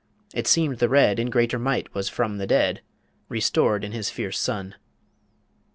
It seemed The Red In greater might was from the dead, Restored in his fierce son ...